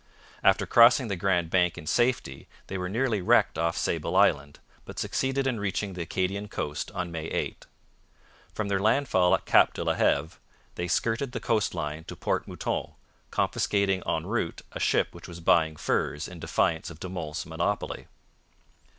After crossing the Grand Bank in safety they were nearly wrecked off Sable Island, but succeeded in reaching the Acadian coast on May 8. From their landfall at Cap de la Heve they skirted the coast line to Port Mouton, confiscating en route a ship which was buying furs in defiance of De Monts' monopoly.